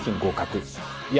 いや